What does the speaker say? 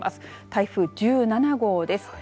台風１７号です。